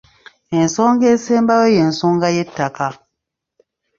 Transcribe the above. Ensonga esembayo y'ensonga y'ettaka.